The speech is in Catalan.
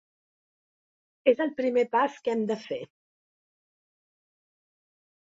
És el primer pas que hem de fer.